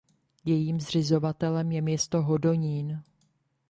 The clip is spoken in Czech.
Jejím zřizovatelem je město Hodonín.